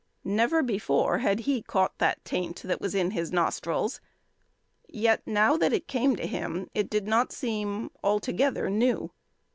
Never before had he caught the taint that was in his nostrils, yet now that it came to him it did not seem altogether new.